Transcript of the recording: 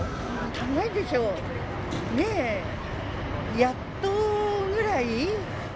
足りないでしょ、ねえ。やっとぐらい。